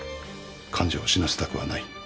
患者を死なせたくはない。